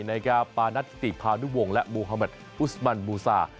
นายกาปานัติติพาดุวงและมูฮาเมิดพุสมันบูซา